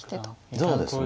そうですね。